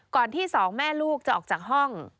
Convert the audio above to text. ที่สองแม่ลูกจะออกจากห้อง